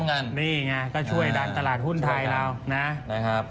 นี่ไงก็ช่วยดันตลาดหุ้นไทยเรานะครับ